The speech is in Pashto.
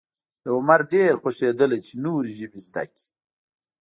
د عمر ډېر خوښېدل چې نورې ژبې زده کړي.